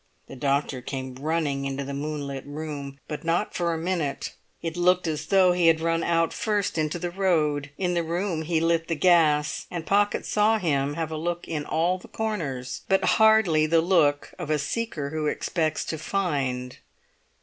The doctor came running into the moonlit room, but not for a minute; it looked as though he had run out first into the road. In the room he lit the gas, and Pocket saw him have a look in all the corners, but hardly the look of a seeker who expects to find.